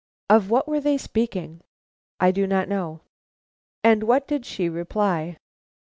'" "Of what were they speaking?" "I do not know." "And what did she reply?"